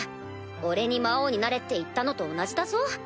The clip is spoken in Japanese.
俺に「魔王になれ」って言ったのと同じだぞ？